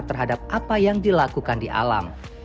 terhadap apa yang dilakukan di alam